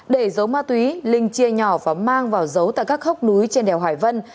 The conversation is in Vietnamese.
để dấu ma túy linh chia nhỏ và mang vào dấu tại các hốc núi trên đèo hải vân